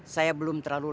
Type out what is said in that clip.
saya belum terlalu lama